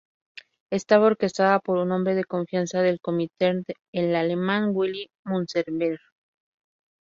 Estaba orquestada por un hombre de confianza del Komintern, el alemán Willi Münzenberg.